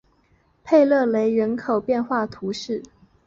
佩勒雷人口变化图示